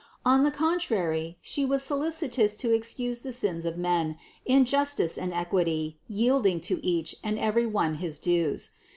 On the contrary She was solicitous to excuse the sins of men, in justice and equity yielding to each and every one his dues.